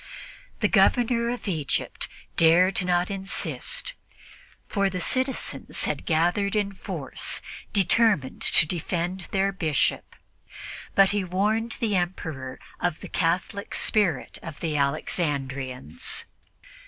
The Governor of Egypt dared not insist, for the citizens had gathered in force, determined to defend their Bishop; but he warned the Emperor of the Catholic spirit of the Alexandrians.